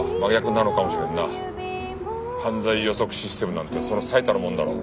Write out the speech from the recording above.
犯罪予測システムなんてその最たるもんだろう。